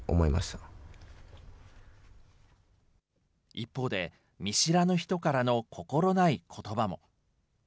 一方で、見知らぬ人からの心ないことばも。